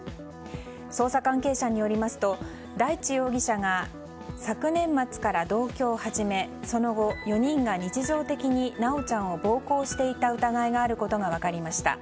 捜査関係者によりますと大地容疑者が昨年末から同居を始めその後４人が日常的に修ちゃんを暴行していた疑いがあることが分かりました。